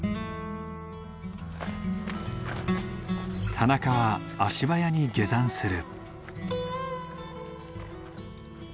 田中は足早に下山する。